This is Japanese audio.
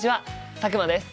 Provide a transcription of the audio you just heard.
佐久間です。